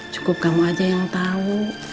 cukup kamu aja yang tahu